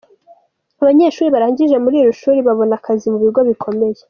Abanyeshuri barangije muri iri shuri babona akazi mu bigo bikomeye.